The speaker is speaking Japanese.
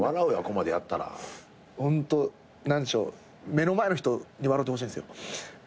目の前の人に笑ってほしいんですよ。